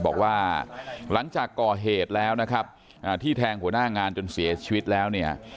บอกว่าหลังจากก่อเหตุแล้วนะครับที่แทงหัวหน้างานจนเสียชีวิตแล้วเนี่ย